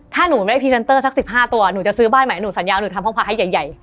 ถ้าหนูไม่พรีเซนเตอร์สัก๑๕ตัวหนูจะซื้อบ้านใหม่หนูสัญญาหนูทำห้องพระให้ใหญ่